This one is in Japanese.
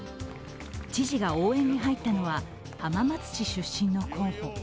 知事が応援に入ったのは浜松市出身の候補。